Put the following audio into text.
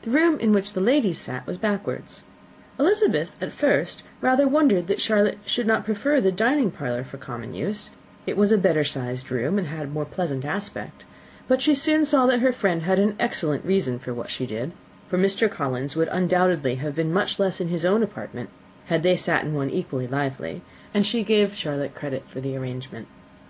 The room in which the ladies sat was backwards. Elizabeth at first had rather wondered that Charlotte should not prefer the dining parlour for common use; it was a better sized room, and had a pleasanter aspect: but she soon saw that her friend had an excellent reason for what she did, for Mr. Collins would undoubtedly have been much less in his own apartment had they sat in one equally lively; and she gave Charlotte credit for the arrangement.